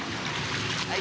はい。